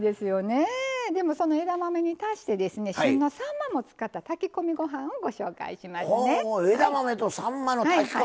でも、その枝豆に足して旬のさんまも使った炊き込みご飯をご紹介しますね。